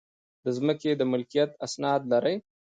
د ځمکې د ملکیت اسناد لرئ؟